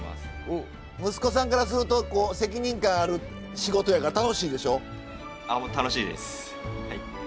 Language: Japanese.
息子さんからすると責任感ある仕事やから楽しいでしょ？